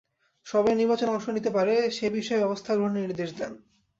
সবাই নির্বাচনে অংশ নিতে পারে, সে বিষয়ে ব্যবস্থা গ্রহণের নির্দেশ দেন।